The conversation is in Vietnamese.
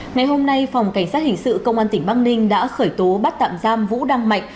ngày hôm nay phòng cảnh sát hình sự công an tỉnh bắc ninh đã khởi tố bắt tạm giam vũ đăng mạnh